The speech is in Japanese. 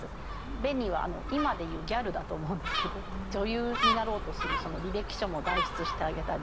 ベニは今で言うギャルだと思うんですけど女優になろうとするその履歴書も代筆してあげたり。